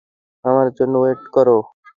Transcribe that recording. আমার জন্য ওয়েট কর।